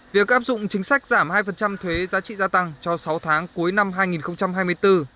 việc áp dụng chính sách giảm hai thuế giá trị gia tăng cho sáu tháng cuối năm hai nghìn hai mươi bốn